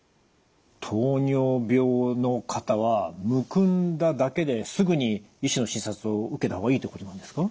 糖尿病の方はむくんだだけですぐに医師の診察を受けた方がいいってことなんですか？